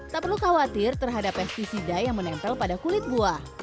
tak perlu khawatir terhadap pesticida yang menempel pada kulit buah